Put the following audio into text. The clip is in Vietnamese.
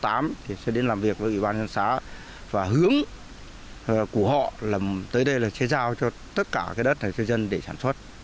thì sẽ đến làm việc với ủy ban nhân xã và hướng của họ là tới đây là sẽ giao cho tất cả cái đất này cho dân để sản xuất